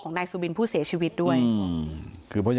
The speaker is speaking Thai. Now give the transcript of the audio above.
นางมอนก็บอกว่า